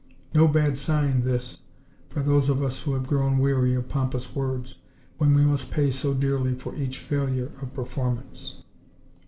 No bad sign, this, for those of us who have grown weary of pompous words, when we must pay so dearly for each failure of performance.